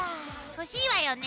欲しいわよね？